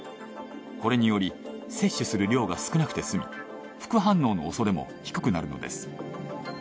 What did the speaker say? これにより接種する量が少なくて済み副反応の恐れも低くなるのです。